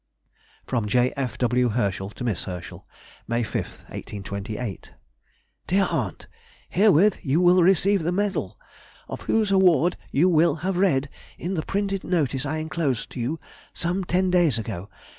FROM J. F. W. HERSCHEL TO MISS HERSCHEL. May 5, 1828. DEAR AUNT,— Herewith you will receive the medal, of whose award you will have read in the printed notice I enclosed you some ten days ago.